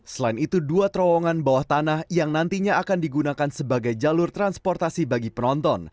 selain itu dua terowongan bawah tanah yang nantinya akan digunakan sebagai jalur transportasi bagi penonton